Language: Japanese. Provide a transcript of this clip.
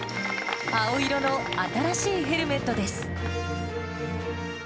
青色の新しいヘルメットです。